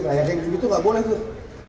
kayaknya gitu gak boleh tuh